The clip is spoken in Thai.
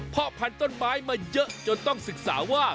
พ่อพันต้นไม้มาเยอะจนต้องศึกษาว่า